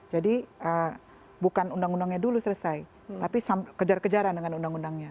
jadi bukan undang undangnya dulu selesai tapi kejar kejaran dengan undang undangnya